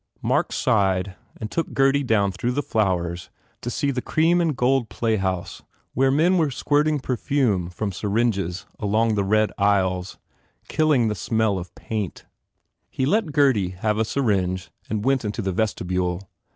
Mark sighed and took Gurdy down through the flowers to see the cream and gold play house where men were squirting perfume from syringes along the red aisles, kill ing the smell of paint. He let Gurdy have a syringe and went into the vestibule.